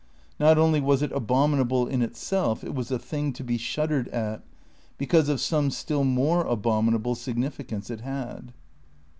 Not only was it abominable in itself, it was a thing to be shuddered at, because of some still more abominable significance it had.